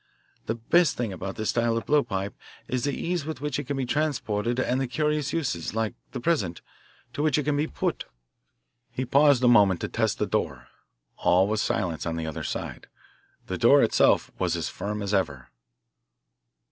The best thing about this style of blowpipe is the ease with which it can be transported and the curious uses like the present to which it can be put." He paused a moment to test the door. All was silence on the other side. The door itself was as firm as ever.